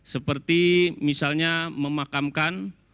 seperti misalnya memakamkan